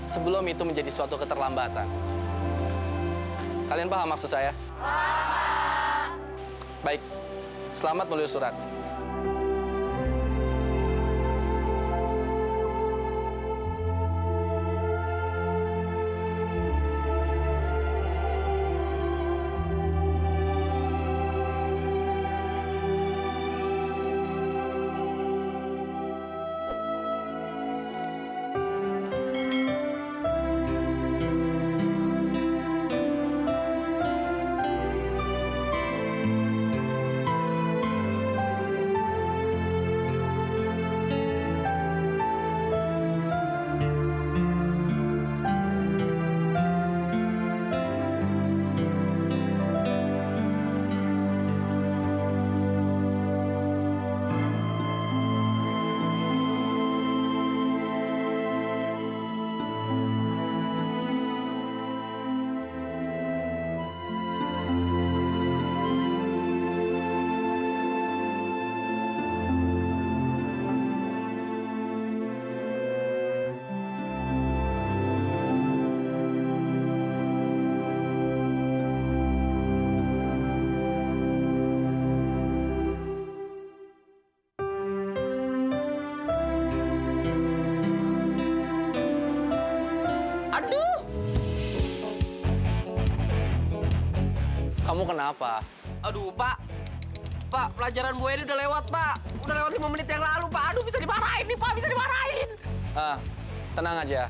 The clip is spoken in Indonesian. sebelum itu menjadi suatu keterlambatan